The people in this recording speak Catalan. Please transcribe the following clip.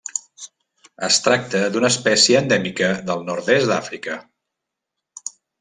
Es tracta d'una espècie endèmica del nord-est d'Àfrica.